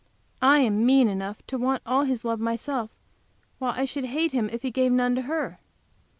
I am mean enough to want all his love myself, while I should hate him if he gave none to her.